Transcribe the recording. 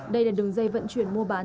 đây là đường dây vận chuyển mua bán